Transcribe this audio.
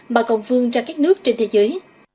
mà còn phương ra các nước trên thế giới